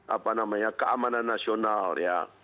apa namanya keamanan nasional ya